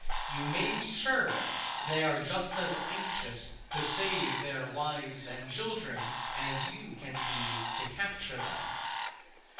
You may be sure they are just as anxious to save their wives and children as you can be to capture them.